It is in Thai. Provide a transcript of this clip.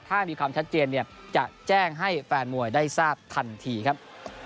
ถ้ามีความชัดเจนเนี่ยจะแจ้งให้แฟนมวยได้ทราบทันทีครับ